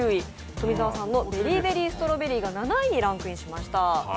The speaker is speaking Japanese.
富澤さんのベリーベリーストロベリーが７位にランクインしました。